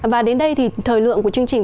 và đến đây thì thời lượng của chương trình